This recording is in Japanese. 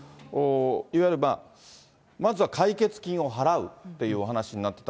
いわゆるまずは解決金を払うというお話になってた。